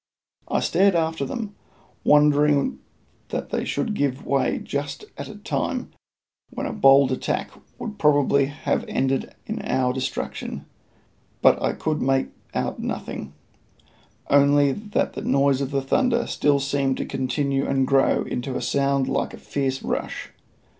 I stared after them, wondering that they should give way just at a time when a bold attack would probably have ended in our destruction; but I could make out nothing, only that the noise of the thunder still seemed to continue and grow into a sound like a fierce rush.